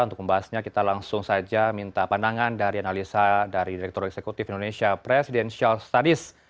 untuk membahasnya kita langsung saja minta pandangan dari analisa dari direktur eksekutif indonesia presidential studies